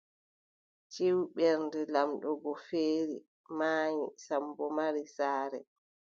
Ciw, Ɓernde laamɗo go feeri, maayi, Sammbo mari saare.